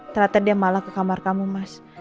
ternyata dia malah ke kamar kamu mas